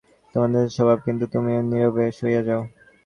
তোমার তেজস্বী স্বভাব, কিন্তু তুমিও নীরবে সহিয়া যাও।